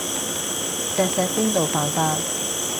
錫錫邊度犯法